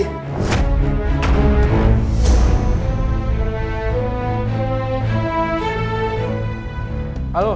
kalau tidak pasanglah